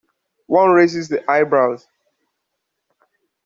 One raises the eyebrows.